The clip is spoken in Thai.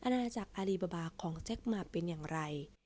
นาจักรอารีบาบาของแจ็คหมากเป็นอย่างไร